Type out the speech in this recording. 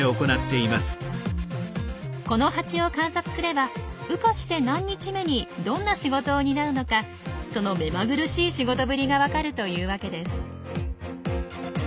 このハチを観察すれば羽化して何日目にどんな仕事を担うのかその目まぐるしい仕事ぶりが分かるというわけです。